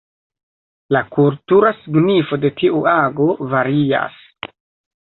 La kultura signifo de tiu ago varias.